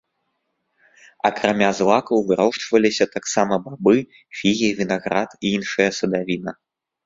Акрамя злакаў вырошчваліся таксама бабы, фігі, вінаград і іншая садавіна.